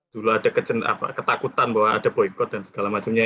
dulu ada ketakutan bahwa ada boykot dan segala macamnya